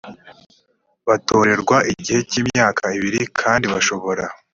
batorerwa igihe cy imyaka ibiri kandi bashobora